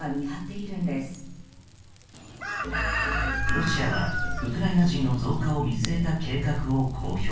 ロシアはウクライナ人の増加を見据えた計画を公表。